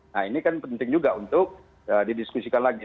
nah ini kan penting juga untuk didiskusikan lagi